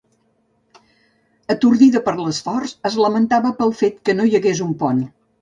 Atordida per l'esforç es lamentava pel fet que no hi hagués un pont.